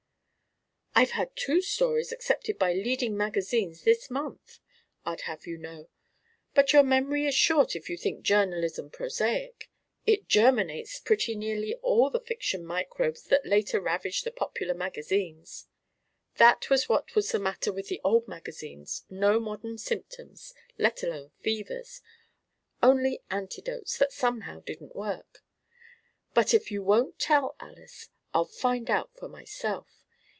"I've had two stories accepted by leading magazines this month, I'd have you know; but your memory is short if you think journalism prosaic. It germinates pretty nearly all the fiction microbes that later ravage the popular magazines. That was what was the matter with the old magazines no modern symptoms, let alone fevers only antidotes that somehow didn't work. But if you won't tell, Alys, I'll find out for myself.